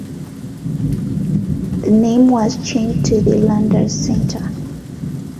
The name was changed to the Landers Center.